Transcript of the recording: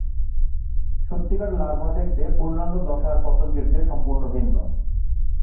সত্যিকারের লার্ভা দেখতে পূর্ণাঙ্গ দশার পতঙ্গের চেয়ে সম্পূর্ণ ভিন্ন।